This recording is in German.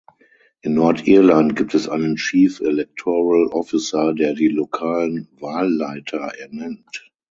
In Nordirland gibt es einen "Chief Electoral Officer", der die lokalen Wahlleiter ernennt.